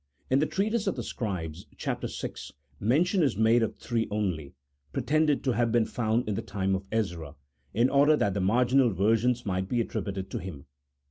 In the treatise of the scribes, chap, vi., mention is made of three only, pre tended to have been found in the time of Ezra, in order that the marginal versions might be attributed to him.